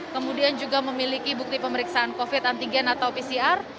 kemudian juga memiliki bukti pemeriksaan covid antigen atau pcr